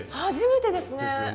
初めてですね。